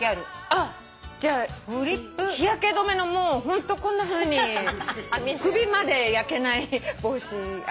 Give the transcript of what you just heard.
あっじゃあ日焼け止めのホントこんなふうに首まで焼けない帽子。